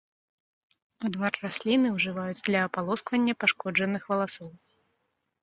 Адвар расліны ўжываюць для апалосквання пашкоджаных валасоў.